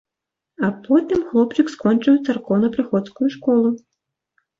А потым хлопчык скончыў царкоўнапрыходскую школу.